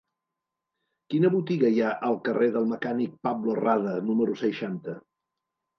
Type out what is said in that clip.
Quina botiga hi ha al carrer del Mecànic Pablo Rada número seixanta?